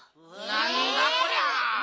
なんだこりゃ！